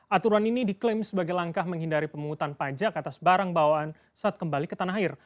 aturan ini diklaim sebagai langkah menghindari pemungutan pajak atas barang bawaan saat kembali ke tanah air